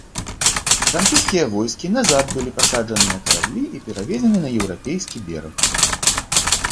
Французскія войскі назад былі пасаджаны на караблі і перавезены на еўрапейскі бераг.